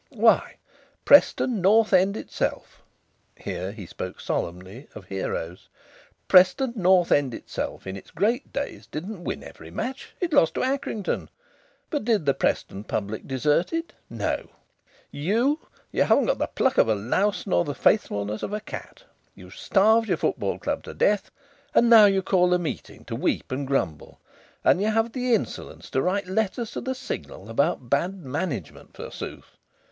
Why, Preston North End itself" here he spoke solemnly, of heroes "Preston North End itself in its great days didn't win every match it lost to Accrington. But did the Preston public desert it? No! You you haven't got the pluck of a louse, nor the faithfulness of a cat. You've starved your football club to death, and now you call a meeting to weep and grumble. And you have the insolence to write letters to the Signal about bad management, forsooth!